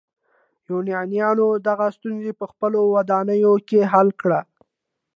یونانیانو دغه ستونزه په خپلو ودانیو کې حل کړه.